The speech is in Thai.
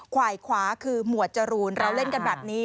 ขวายขวาคือหมวดจรูนเราเล่นกันแบบนี้